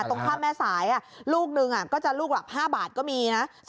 ตรงข้ามแม่สายอะลูกนึงอะก็จะลูกแบบ๕บาทก็มีนะ